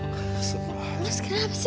mas aku mau pergi